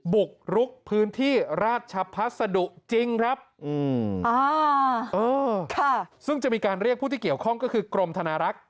บุกรุกพื้นที่ราชพัสดุจริงครับซึ่งจะมีการเรียกผู้ที่เกี่ยวข้องก็คือกรมธนารักษ์